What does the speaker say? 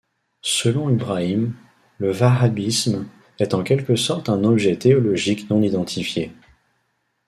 Selon Ibrahim, le wahhabisme est en quelque sorte un objet théologique non-identifié.